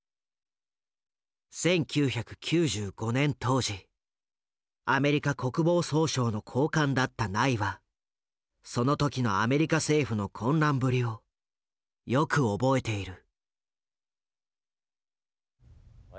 １９９５年当時アメリカ国防総省の高官だったナイはその時のアメリカ政府の混乱ぶりをよく覚えている。